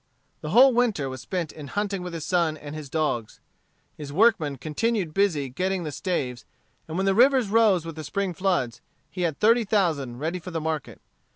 The whole winter was spent in hunting with his son and his dogs. His workmen continued busy getting the staves, and when the rivers rose with the spring floods, he had thirty thousand ready for the market.